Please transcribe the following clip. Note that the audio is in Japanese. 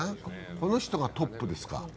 この人がトップですか。